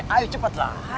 ayo cepet lah